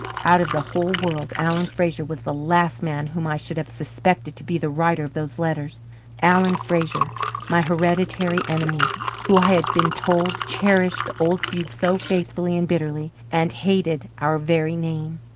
Out of the whole world Alan Fraser was the last man whom I should have suspected to be the writer of those letters Alan Fraser, my hereditary enemy, who, I had been told, cherished the old feud so faithfully and bitterly, and hated our very name.